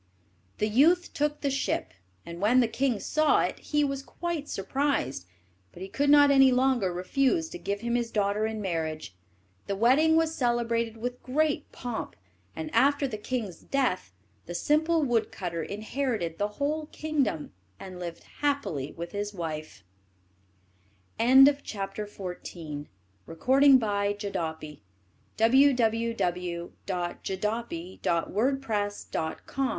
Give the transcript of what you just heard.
The youth took the ship, and when the king saw it he was quite surprised; but he could not any longer refuse to give him his daughter in marriage. The wedding was celebrated with great pomp, and after the king's death the simple wood cutter inherited the whole kingdom, and lived happily with his wife. CHAPTER X THE TWELVE BROTHERS There were once a king and queen who had twelve children all boys.